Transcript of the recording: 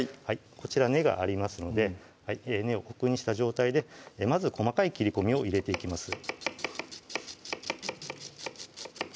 こちら根がありますので根をここにした状態でまず細かい切り込みを入れていきます